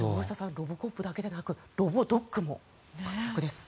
ロボコップだけでなくロボドッグも活躍です。